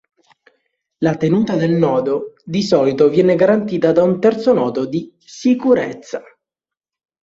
La tenuta del nodo di solito viene garantita da un terzo nodo di "sicurezza".